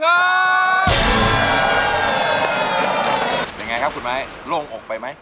เป็นไงครับคุณไม้โล่งอกไปไหม